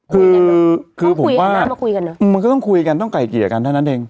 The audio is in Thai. คือคือผมว่ามันก็ต้องคุยกันต้องไก่เกียรติกันเท่านั้นเอง